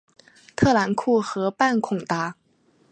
特兰库河畔孔达。